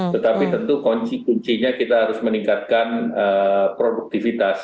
tetapi tentu kuncinya kita harus meningkatkan produktivitas